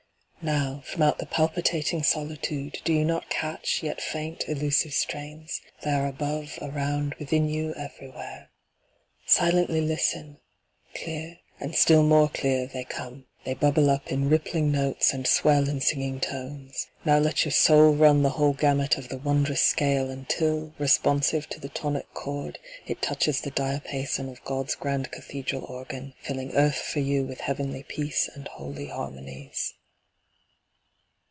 Now, From out the palpitating solitude Do you not catch, yet faint, elusive strains? They are above, around, within you, everywhere. Silently listen! Clear, and still more clear, they come. They bubble up in rippling notes, and swell in singing tones. Now let your soul run the whole gamut of the wondrous scale Until, responsive to the tonic chord, It touches the diapason of God's grand cathedral organ, Filling earth for you with heavenly peace And holy harmonies.